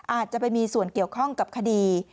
อาจจะไปมีส่วนเกี่ยวข้องกับคดี